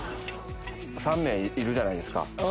３名いるじゃないですか。